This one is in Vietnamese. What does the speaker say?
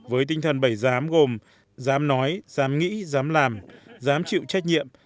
với tinh thần bảy giám gồm giám nói giám nghĩ giám làm giám chịu trách nhiệm